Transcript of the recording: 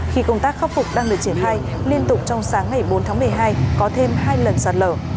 khi công tác khắc phục đang được triển khai liên tục trong sáng ngày bốn tháng một mươi hai có thêm hai lần sạt lở